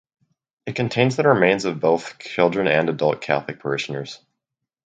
It contains the remains of both children and adult Catholic parishioners.